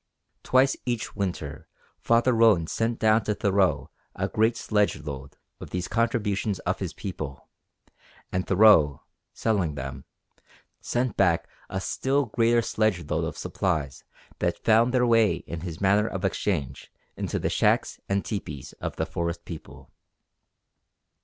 Twice each winter Father Roland sent down to Thoreau a great sledge load of these contributions of his people, and Thoreau, selling them, sent back a still greater sledge load of supplies that found their way in this manner of exchange into the shacks and tepees of the forest people.